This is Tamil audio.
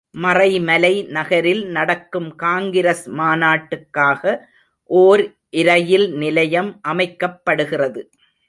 மறைமலை நகரில் நடக்கும் காங்கிரஸ் மாநாட்டுக்காக ஓர் இரயில் நிலையம் அமைக்கப்படுகிறது.